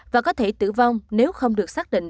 và có thể tử vong nếu không được xác định